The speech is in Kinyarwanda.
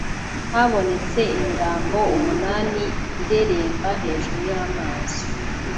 habonetse imirambo umunani ireremba hejuru y’amazi